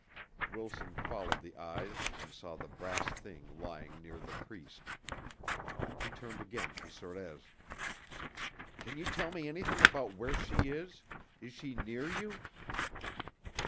Wilson followed the eyes and saw the brass thing lying near the Priest. He turned again to Sorez "Can you tell me anything about where she is? Is she near you?"